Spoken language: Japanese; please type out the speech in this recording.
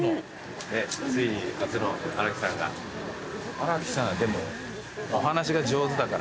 荒木さんでもお話が上手だから。